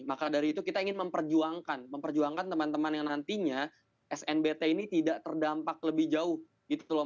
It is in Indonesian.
maka dari itu kita ingin memperjuangkan memperjuangkan teman teman yang nantinya snbt ini tidak terdampak lebih jauh gitu loh